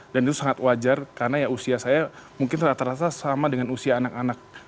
dan itu sangat wajar karena ya usia saya mungkin rata rata sama dengan usia anak anak